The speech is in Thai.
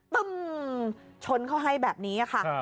ตึ้มชนเขาให้แบบนี้ค่ะ